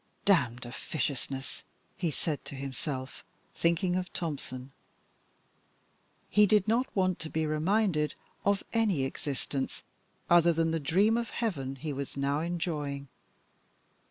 "Damned officiousness!" he said to himself, thinking of Tompson. He did not want to be reminded of any existence other than the dream of heaven he was now enjoying.